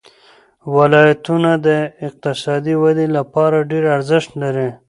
ولایتونه د اقتصادي ودې لپاره ډېر ارزښت لري.